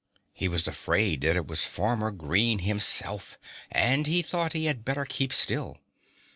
He was afraid that it was Farmer Green himself and he thought he had better keep still.